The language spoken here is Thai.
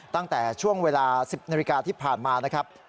ตั้งแต่ช่วงเวลา๑๐นาฬิกาที่ผ่านมานะครับ